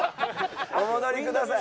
お戻りください。